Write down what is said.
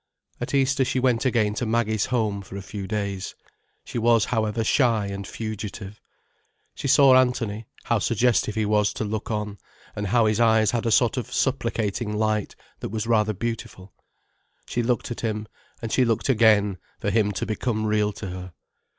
At Easter she went again to Maggie's home, for a few days. She was, however shy and fugitive. She saw Anthony, how suggestive he was to look on, and how his eyes had a sort of supplicating light, that was rather beautiful. She looked at him, and she looked again, for him to become real to her.